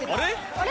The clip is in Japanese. あれ？